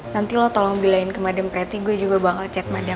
nanti lo tolong bilain ke madem preti gue juga bakal chat madem